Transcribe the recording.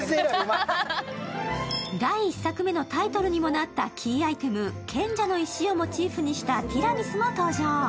第１作目のタイトルにもなったキーアイテム、賢者の石をモチーフにしたティラミスも登場。